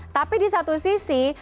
tapi di satu sisi